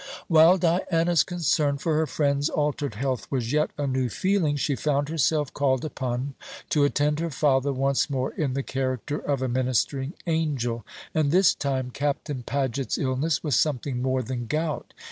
While Diana's concern for her friend's altered health was yet a new feeling, she found herself called upon to attend her father once more in the character of a ministering angel. And this time Captain Paget's illness was something more than gout.